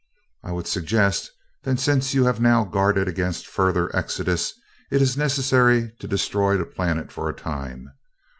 "I would suggest that since you have now guarded against further exodus, it is necessary to destroy the planet for a time.